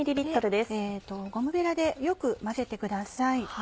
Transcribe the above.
ゴムベラでよく混ぜてください。